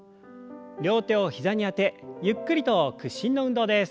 両手を膝にあてゆっくりと屈伸の運動です。